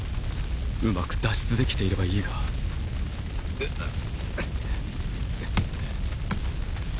うまく脱出できていればいいがうっ。